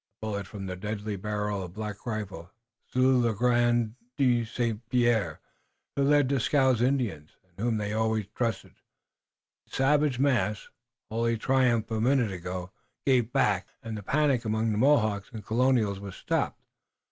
A bullet from the deadly barrel of Black Rifle slew Legardeur de St. Pierre, who led Dieskau's Indians, and whom they always trusted. The savage mass, wholly triumphant a minute ago, gave back, and the panic among the Mohawks and Colonials was stopped.